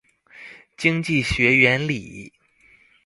經濟學原理